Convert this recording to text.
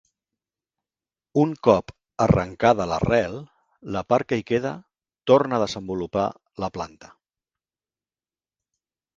Un cop arrencada l'arrel la part que hi queda torna a desenvolupar la planta.